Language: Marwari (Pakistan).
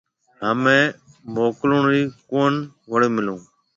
هميَ موڪلوڻِي ڪونِي وَڙي ملون